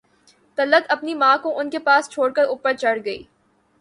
طلعت اپنی ماں کو ان کے پاس چھوڑ کر اوپر چڑھ گئی